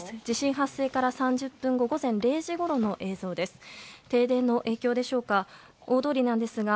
地震発生から３０分後午前０時ごろの映像です。